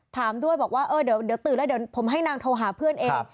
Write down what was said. ถามด้วยบอกว่าเออเดี๋ยวตื่นแล้วเดี๋ยวผมให้นางโทรหาเพื่อนเอง